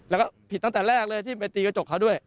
แล้วก็ผิดตั้งแต่แรกเลยที่ไปตีกระจกเขาด้วย